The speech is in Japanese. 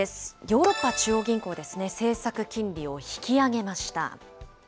ヨーロッパ中央銀行ですね、政策金利を引き上げました。